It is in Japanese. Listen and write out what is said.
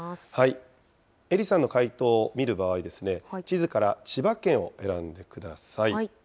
英利さんの回答を見る場合ですね、地図から千葉県を選んでください。